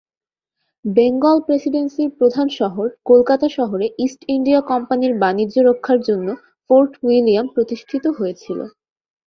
বেঙ্গল প্রেসিডেন্সির প্রধান শহর কলকাতা শহরে ইস্ট ইন্ডিয়া কোম্পানির বাণিজ্য রক্ষার জন্য ফোর্ট উইলিয়াম প্রতিষ্ঠিত হয়েছিল।